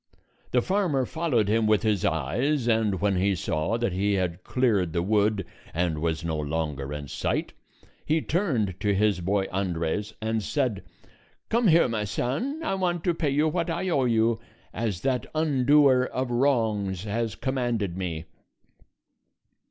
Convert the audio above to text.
The farmer followed him with his eyes, and when he saw that he had cleared the wood and was no longer in sight, he turned to his boy Andres and said, "Come here, my son; I want to pay you what I owe you, as that undoer of wrongs has commanded me."